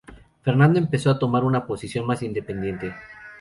Fernando empezó a tomar una posición más independiente.